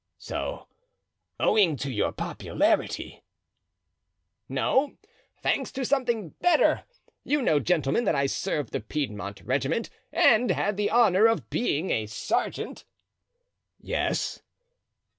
"So, owing to your popularity——" "No; thanks to something better. You know, gentlemen, that I served the Piedmont regiment and had the honor of being a sergeant?" "Yes."